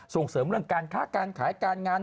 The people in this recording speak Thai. ส่งเสริมเรื่องการค้าการขายการงาน